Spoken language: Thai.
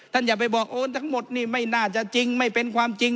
อย่าไปบอกโอนทั้งหมดนี่ไม่น่าจะจริงไม่เป็นความจริง